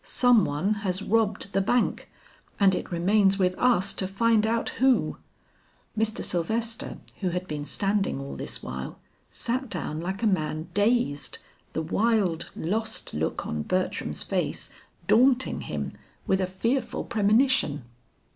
Some one has robbed the bank and it remains with us to find out who." Mr. Sylvester, who had been standing all this while, sat down like a man dazed, the wild lost look on Bertram's face daunting him with a fearful premonition.